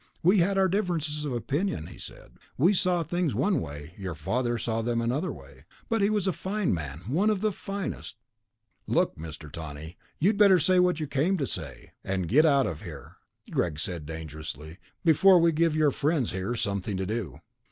"We had our differences of opinion," he said. "We saw things one way, your father saw them another way. But he was a fine man, one of the finest...." "Look, Mr. Tawney, you'd better say what you came to say and get out of here," Greg said dangerously, "before we give your friends here something to do."